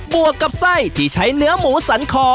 วกกับไส้ที่ใช้เนื้อหมูสันคอ